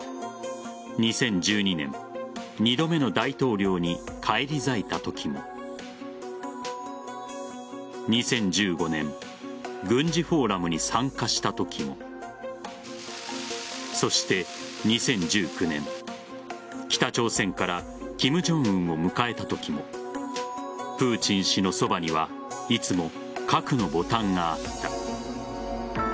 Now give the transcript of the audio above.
２０１２年２度目の大統領に返り咲いたときも２０１５年軍事フォーラムに参加したときもそして、２０１９年北朝鮮から金正恩を迎えたときもプーチン氏のそばにはいつも核のボタンがあった。